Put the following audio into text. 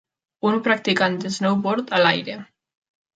Un practicant de snowboard a l'aire.